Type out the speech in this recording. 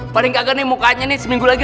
paling kaget nih mukanya seminggu lagi